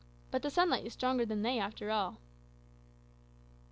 But the sunlight is stronger than they, after all."